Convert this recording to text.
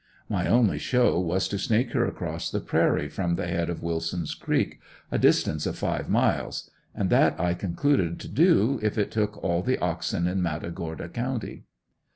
My only show was to snake her across the prairie from the head of Willson's creek, a distance of five miles and that I concluded to do if it took all the oxen in Matagorda county.